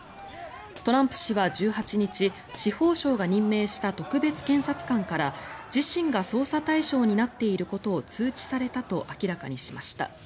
トランプ氏は１８日司法省が任命した特別検査官から自身が捜査対象になっていることを通知されたと明らかにしました。